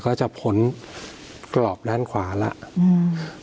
ก็จะพ้นกรอบด้านขวาแล้วอืม